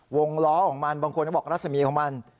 วงล้อของมันบางคนก็บอกรัศมีของมัน